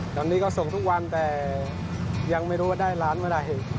ตอนนี้ก็ส่งทุกวันแต่ยังไม่รู้ว่าได้ร้านเมื่อไหร่